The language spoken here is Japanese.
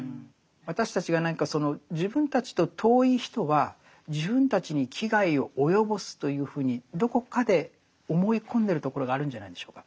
私たちが何かその自分たちと遠い人は自分たちに危害を及ぼすというふうにどこかで思い込んでるところがあるんじゃないんでしょうか。